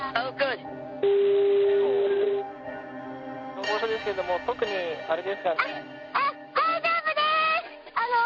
消防署ですけれども特にあれですかね？